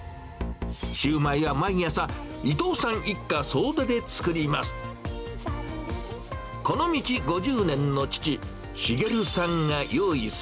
シューマイは毎朝、伊藤さん一家総出で作ります。